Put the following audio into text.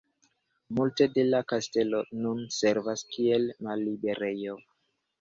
Multe de la kastelo nun servas kiel malliberejo.